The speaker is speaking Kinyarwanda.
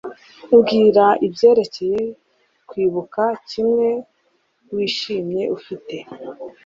Mbwira ibyerekeye kwibuka kimwe wishimye ufite